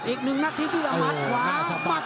อีกหนึ่งนักทิศที่มัดขวามาดขวา